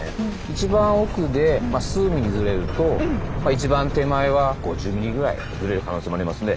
一番奥で数ｍｍズレると一番手前は５０ｍｍぐらいズレる可能性もありますので。